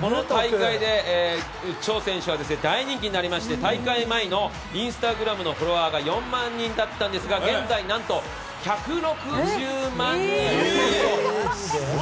この大会でチョ選手は大人気になりまして、大会前のインスタグラムのフォロワーが４万人だったんですが現在何と１６０万人以上。